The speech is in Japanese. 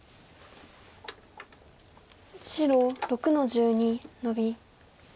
白６の十二ノビ。